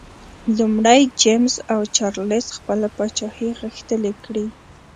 لومړی جېمز او چارلېز خپله پاچاهي غښتلي کړي.